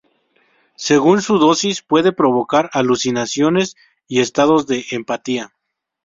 Según su dosis puede provocar alucinaciones y estados de empatía.